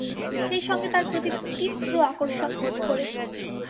সেই সঙ্গে তার প্রতি তীব্র আকর্ষণ বোধ করেছ।